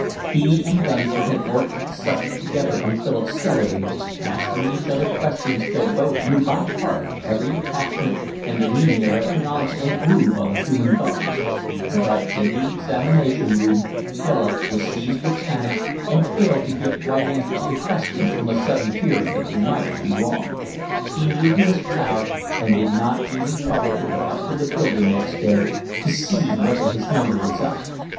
He and Dunsford had worked at the subject together on Philip's skeleton, asking each other questions till both knew by heart every attachment and the meaning of every nodule and groove on the human bones; but in the examination room Philip was seized with panic, and failed to give right answers to questions from a sudden fear that they might be wrong. He knew he was ploughed and did not even trouble to go up to the building next day to see whether his number was up.